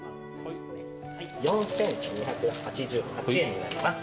４，２８８円になります。